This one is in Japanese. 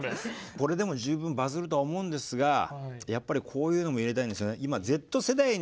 これでも十分バズるとは思うんですがやっぱりこういうのも入れたいんですよね。